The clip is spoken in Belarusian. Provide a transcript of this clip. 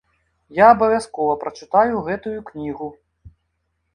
Я абавязкова прачытаю гэтую кнігу.